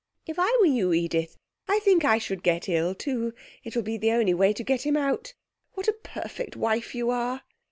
If I were you, Edith, I think I should get ill too; it will be the only way to get him out. What a perfect wife you are!'